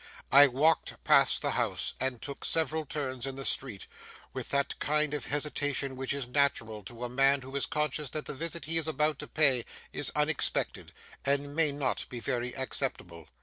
I walked past the house, and took several turns in the street, with that kind of hesitation which is natural to a man who is conscious that the visit he is about to pay is unexpected, and may not be very acceptable.